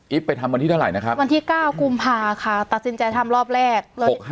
ไปทำวันที่เท่าไหร่นะครับวันที่๙กุมภาค่ะตัดสินใจทำรอบแรก